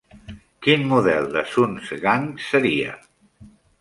Quin model de Sunsgang seria?